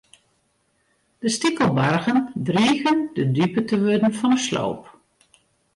De stikelbargen drigen de dupe te wurden fan de sloop.